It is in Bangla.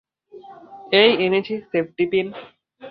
এই এনেছি সেফটিপিন।